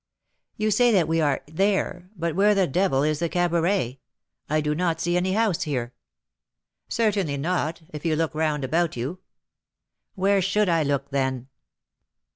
"You say that we are there, but where the devil is the cabaret? I do not see any house here." "Certainly not, if you look round about you." "Where should I look, then?"